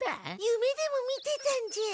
ゆめでも見てたんじゃ。